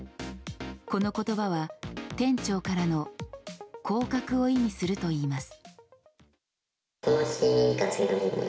この言葉は、店長からの降格を意味するといいます。